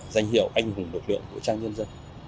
danh hiệu anh hùng lực lượng vũ trang nhân dân